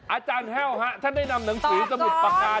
อาจารย์แฮวฮะฉันได้นำหนังสือสมุทรปากาศ